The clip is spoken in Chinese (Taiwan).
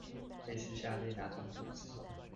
類似下列那種組織？